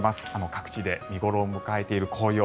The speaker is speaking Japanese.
各地で見頃を迎えている紅葉